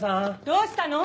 どうしたの？